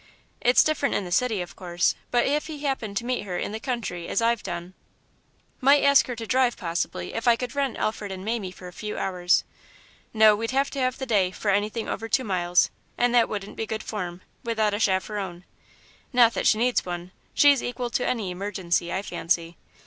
It's different in the city, of course, but if he happened to meet her in the country, as I've done "Might ask her to drive, possibly, if I could rent Alfred and Mamie for a few hours no, we'd have to have the day, for anything over two miles, and that wouldn't be good form, without a chaperone. Not that she needs one she's equal to any emergency, I fancy.